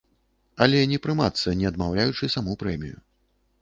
Але не прымацца, не адмаўляючы саму прэмію.